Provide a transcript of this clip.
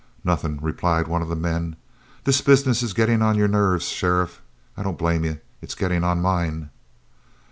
"Nothin'," replied one of the men. "This business is gettin' on your nerves, sheriff. I don't blame you. It's gettin' on mine."